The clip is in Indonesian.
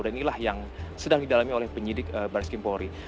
dan inilah yang sedang didalami oleh penyidik baris kimpohori